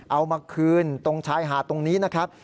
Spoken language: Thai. เอามาคืนตรงชายหาดตรงนี้นะครับ